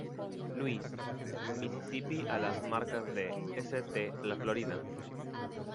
Louis, Mississippi a las marcas del St., la Florida.